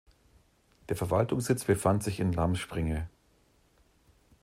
Der Verwaltungssitz befand sich in Lamspringe.